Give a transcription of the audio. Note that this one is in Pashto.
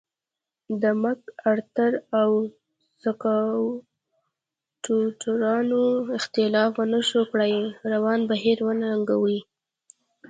د مک ارتر او سکواټورانو اختلاف ونشو کړای روان بهیر وننګوي.